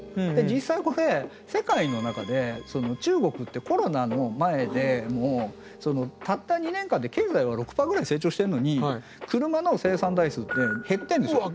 実際これ世界の中で中国ってコロナの前でもたった２年間で経済は６％ぐらい成長してるのに車の生産台数って減ってるんですよ。